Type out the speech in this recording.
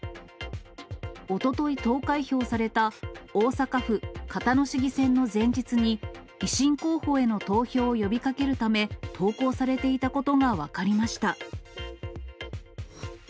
おととい投開票された、大阪府交野市議選の前日に、維新候補への投票を呼びかけるため、投稿されていたことが分かりました。